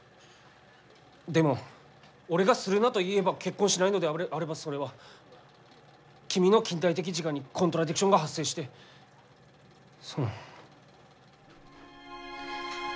でも俺が「するな」と言えば結婚しないのであればそれは君の近代的自我にコントラディクションが発生してその。